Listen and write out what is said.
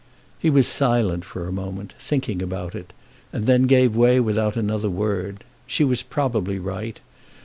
He was silent for a moment, thinking about it, and then gave way without another word. She was probably right.